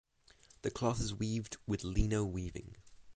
The cloth is weaved with leno weaving.